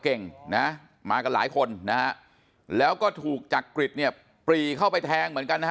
เก่งมากับหลายคนแล้วก็ถูกจักริดเนี่ยปรีเข้าไปแทงเหมือนกัน